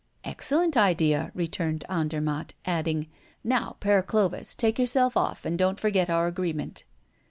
"Excellent idea," returned Andermatt, adding: "Now, Père Clovis, take yourself off, and don't forget our agreement."